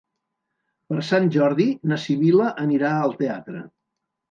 Per Sant Jordi na Sibil·la anirà al teatre.